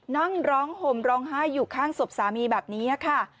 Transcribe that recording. นั่งร้องห่มร้องไห้อยู่ข้างศพสามีแบบนี้ค่ะ